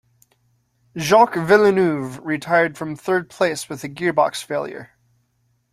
Jacques Villeneuve retired from third place with a gearbox failure.